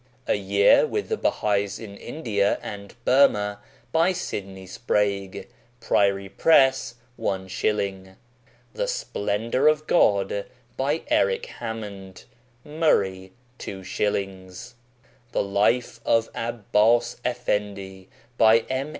A year with the Bahais in India and Burma by Sydney Sprague. PRIORY PRESS. Is. The Splendour of God by Eric Hammond. MURRAY. 2s. The Life of Abbas Effendi by M.